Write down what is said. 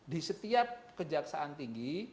di setiap kejaksaan tinggi